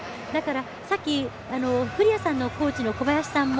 さっき古屋さんのコーチの小林さんも。